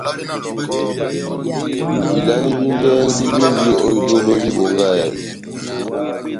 Ilale vi ndɛhɛgi víndi ó idólo vi Bongahɛlɛ.